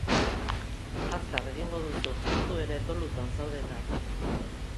Azkar egingo duzu, zu ere dolutan zaude eta.